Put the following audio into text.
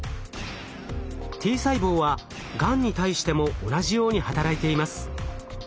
Ｔ細胞はがんに対しても同じように働いています。